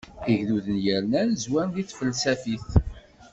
Igduden yennernan zwaren deg tfelsafit.